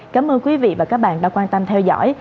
cảm ơn quý vị và các bạn đã quan tâm theo dõi